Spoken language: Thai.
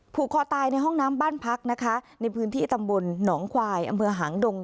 ผูกคอตายในห้องน้ำบ้านพักนะคะในพื้นที่ตำบลหนองควายอำเภอหางดง